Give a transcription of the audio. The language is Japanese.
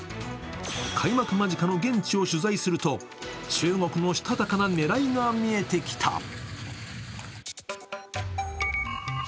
開幕間近の現地を取材すると中国のしたたかな狙いが見えてきた。